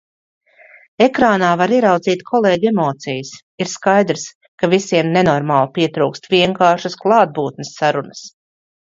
Ekrānā var ieraudzīt kolēģu emocijas. ir skaidrs, ka visiem nenormāli pietrūkst vienkāršas klātbūtnes sarunas.